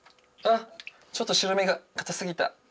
ちょっと白身が固すぎた！